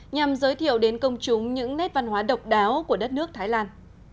nhằm giới thiệu đến công chúng những nét văn hóa độc đáo của đất nước thái lan